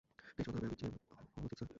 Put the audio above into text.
ন্যায়সঙ্গত ভাবে, আমি জিএম হওয়া উচিত, স্যার।